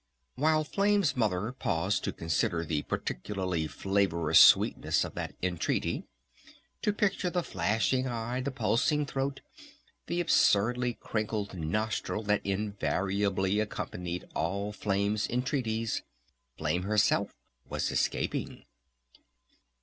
While Flame's Mother paused to consider the particularly flavorous sweetness of that entreaty, to picture the flashing eye, the pulsing throat, the absurdly crinkled nostril that invariably accompanied all Flame's entreaties, Flame herself was escaping!